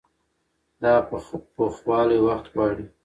دا پخوالی وخت غواړي.